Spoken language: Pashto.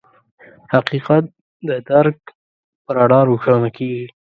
حقیقت د درک په رڼا روښانه کېږي.